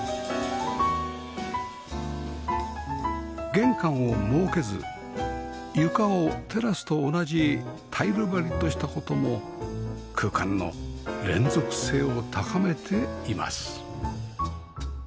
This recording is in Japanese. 玄関を設けず床をテラスと同じタイル張りとした事も空間の連続性を高めています